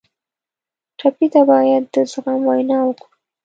ټپي ته باید د زغم وینا وکړو.